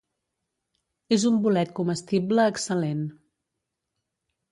És un bolet comestible excel·lent.